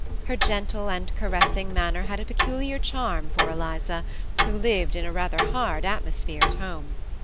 Her gentle and caressing manner had a peculiar charm for Eliza, who lived in rather a hard atmosphere at home.